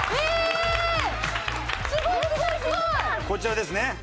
こちらですね。